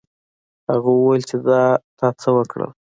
هغه وویل چې دا تا څه وکړل.